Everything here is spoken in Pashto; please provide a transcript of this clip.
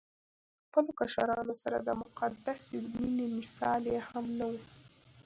خپلو کشرانو سره د مقدسې مينې مثال يې هم نه وو